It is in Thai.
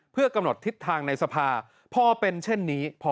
เพื่อกำหนดทิศทางในสภาพอเป็นเช่นนี้